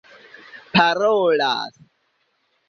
parolas